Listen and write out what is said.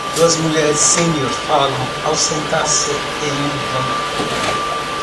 Duas mulheres sênior falam ao sentar-se em um banco.